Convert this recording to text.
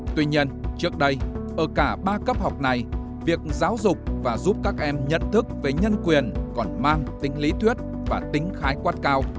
tuy nhiên trước đây ở cả ba cấp học này việc giáo dục và giúp các em nhận thức về nhân quyền còn mang tính lý thuyết và tính khái quát cao